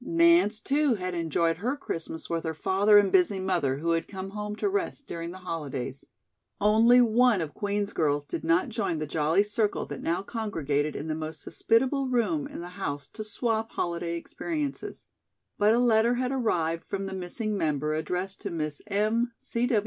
Nance, too, had enjoyed her Christmas with her father and busy mother, who had come home to rest during the holidays. Only one of Queen's girls did not join the jolly circle that now congregated in the most hospitable room in the house to "swap" holiday experiences. But a letter had arrived from the missing member addressed to "Miss M.